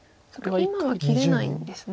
今は切れないんですね。